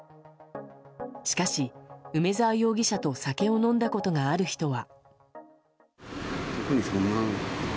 しかし、梅沢容疑者と酒を飲んだことがある人は。